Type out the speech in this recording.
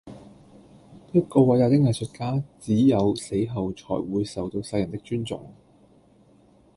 一個偉大的藝術家隻有死後才會受到世人的尊重